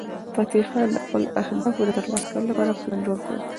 فتح خان د خپلو اهدافو د ترلاسه کولو لپاره پلان جوړ کړ.